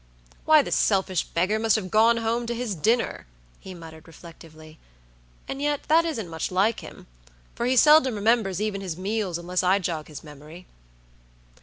"Why, the selfish beggar must have gone home to his dinner!" he muttered, reflectively; "and yet that isn't much like him, for he seldom remembers even his meals unless I jog his memory."